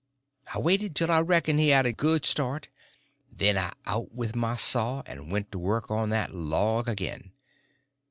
I waited till I reckoned he had got a good start; then I out with my saw, and went to work on that log again.